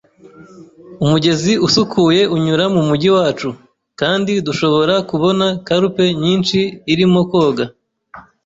Umugezi usukuye unyura mumujyi wacu, kandi dushobora kubona karp nyinshi irimo koga.